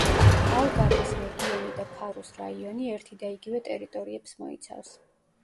ალგარვის რეგიონი და ფარუს რაიონი ერთიდაიგივე ტერიტორიებს მოიცავს.